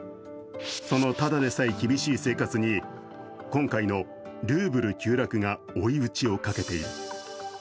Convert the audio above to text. そのただでさえ厳しい生活に、今回のルーブル急落が追い打ちをかけている。